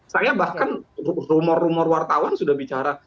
saya bahkan rumor rumor wartawan sudah bicara